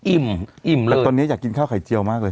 อิ่มอิ่มเลยแต่ตอนนี้อยากกินข้าวไข่เจียวมากเลย